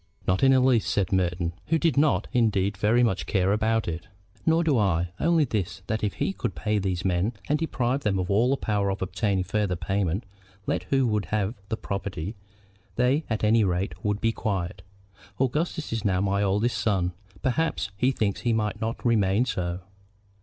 "Not in the least," said Merton, who did not, indeed, very much care about it. "Nor do I; only this, that if he could pay these men and deprive them of all power of obtaining farther payment, let who would have the property, they at any rate would be quiet. Augustus is now my eldest son. Perhaps he thinks he might not remain so.